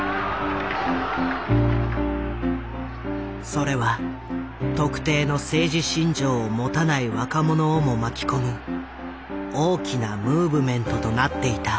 それは特定の政治信条を持たない若者をも巻き込む大きなムーブメントとなっていた。